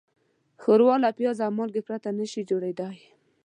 ښوروا له پیاز او مالګې پرته نهشي جوړېدای.